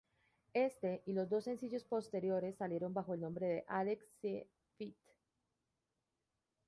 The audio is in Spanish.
Éste y los dos sencillos posteriores salieron bajo el nombre "Alex C. feat.